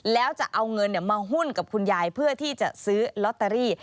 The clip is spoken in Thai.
แล้วจะเอาเงินมาหุ้นกับคุณยายเพื่อที่จะซื้อลอตเตอรี่